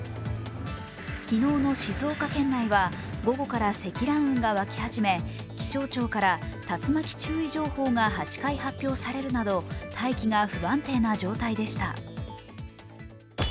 昨日の静岡県内は午後から積乱雲が湧き始め、気象庁から竜巻注意情報が８回発表されるなど大気が不安定な状態でした。